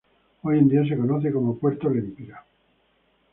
Hoy en día se conoce como Puerto Lempira.